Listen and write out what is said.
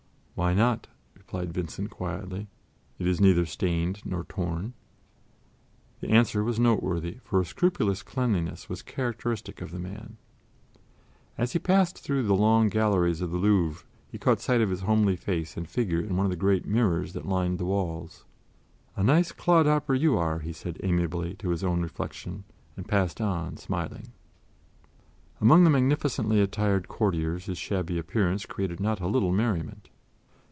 "Why not?" replied Vincent quietly; "it is neither stained nor torn." The answer was noteworthy, for a scrupulous cleanliness was characteristic of the man. As he passed through the long galleries of the Louvre he caught sight of his homely face and figure in one of the great mirrors that lined the walls. "A nice clodhopper you are!" he said amiably to his own reflection, and passed on, smiling. Among the magnificently attired courtiers his shabby appearance created not a little merriment.